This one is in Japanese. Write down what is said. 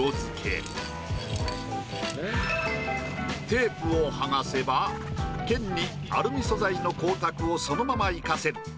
テープを剥がせば剣にアルミ素材の光沢をそのまま生かせる。